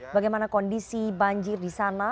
bagaimana kondisi banjir di sana